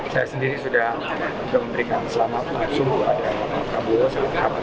selamatkan ekonomi di segera dan besar